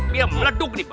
biar meleduk nih